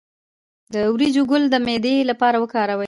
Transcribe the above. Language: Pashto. د وریجو ګل د معدې لپاره وکاروئ